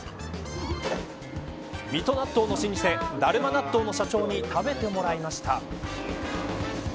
水戸納豆の老舗、だるま納豆の社長に食べてもらいました。